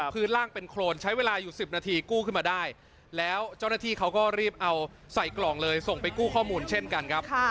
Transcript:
ล่างเป็นโครนใช้เวลาอยู่๑๐นาทีกู้ขึ้นมาได้แล้วเจ้าหน้าที่เขาก็รีบเอาใส่กล่องเลยส่งไปกู้ข้อมูลเช่นกันครับ